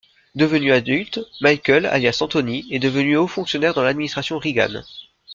Devenu adulte, Michael, alias Anthony, est devenu haut fonctionnaire dans l'administration Reagan.